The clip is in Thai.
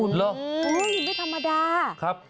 อุ้ยไม่ธรรมดา